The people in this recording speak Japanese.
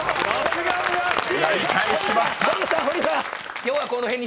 ［やり返しました］